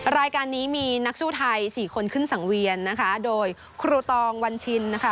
รายการนี้มีนักสู้ไทยสี่คนขึ้นสังเวียนนะคะโดยครูตองวันชินนะคะ